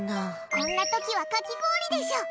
こんな時はかき氷でしょ。